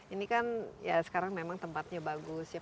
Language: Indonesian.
ini kan ya sekarang memang tempatnya bagus ya